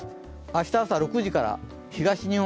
明日朝６時から。